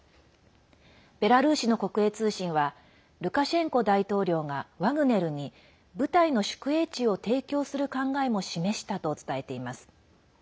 ベラルーシの国営通信はルカシェンコ大統領がワグネルに部隊の宿営地を提供する考えも示したと伝えています。